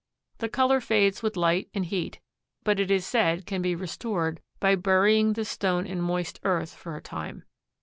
The color fades with light and heat, but it is said can be restored by burying the stone in moist earth for a time.